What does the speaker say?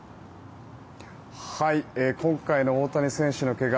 今回の大谷選手の怪我